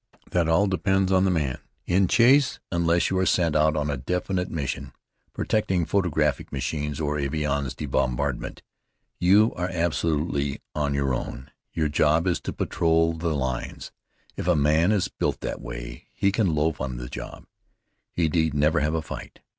"That all depends on the man. In chasse, unless you are sent out on a definite mission, protecting photographic machines or avions de bombardement, you are absolutely on your own. Your job is to patrol the lines. If a man is built that way, he can loaf on the job. He need never have a fight.